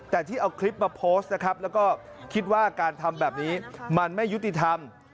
แต่ที่เอาคลิปมาโพสต์นะครับแล้วก็คิดว่าการทำแบบนี้มันไม่ยุติธรรม